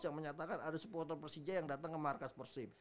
yang menyatakan ada supporter persija yang datang ke markas persib